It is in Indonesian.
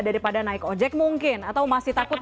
daripada naik ojek mungkin atau masih takut